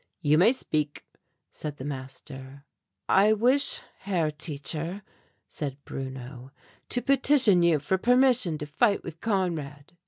"You may speak," said the master. "I wish, Herr Teacher," said Bruno, "to petition you for permission to fight with Conrad."